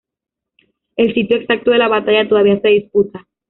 El sitio exacto de la batalla todavía se disputa.